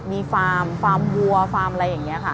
มีฟาร์มฟาร์มวัวฟาร์มอะไรอย่างนี้ค่ะ